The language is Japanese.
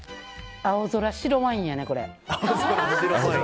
青空白ワインやね、これ。